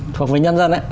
thuộc về nhân dân ấy